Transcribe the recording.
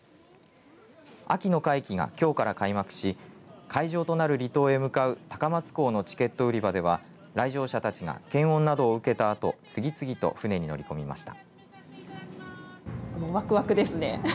秋の会期が、きょうから開幕し会場となる離島へ向かう高松港のチケット売り場では来場者たちが検温などを受けたあと次々と船に乗り込みました。